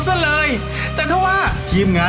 หมวกปีกดีกว่าหมวกปีกดีกว่า